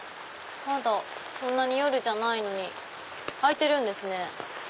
まだそんなに夜じゃないのに開いてるんですね。